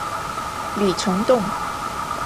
李成栋。